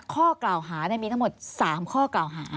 ข้อกล่าวหามีทั้งหมด๓ข้อกล่าวหา